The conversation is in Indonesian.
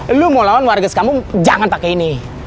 eh lu mau lawan warga sekambung jangan pakai ini